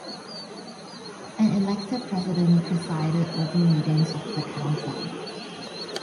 An elected president presided over meetings of the Council.